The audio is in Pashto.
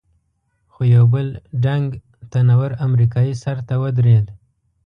خو یو بل ډنګ، تن ور امریکایي سر ته ودرېد.